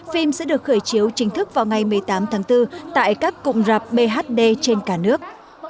phim sẽ được khởi chiếu chính thức vào ngày một mươi tám tháng bốn tại các cụm rạp bhd trên cả nước